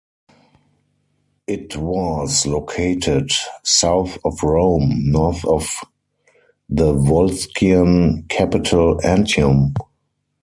It was located south of Rome, north of the Volscian capital Antium.